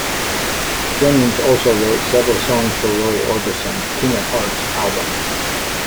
Jennings also wrote several songs for Roy Orbison's "King Of Hearts" album.